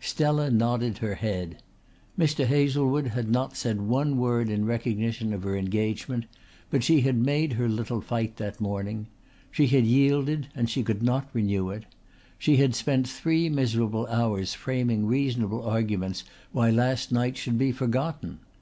Stella nodded her head. Mr. Hazlewood had not said one word in recognition of her engagement but she had made her little fight that morning. She had yielded and she could not renew it. She had spent three miserable hours framing reasonable arguments why last night should be forgotten.